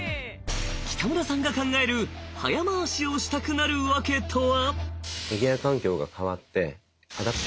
北村さんが考える「早回しをしたくなるワケ」とは？